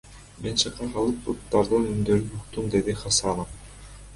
Мен чыга калып буттардын үндөрүн уктум, — деди Хасанов.